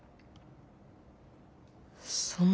そんな。